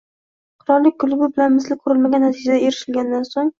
Qirollik klubi bilan misli ko‘rilmagan natijaga erishgandan so‘ng